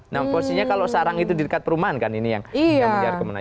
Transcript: nah posisinya kalau sarang itu di dekat perumahan kan ini yang menjadi kemenangan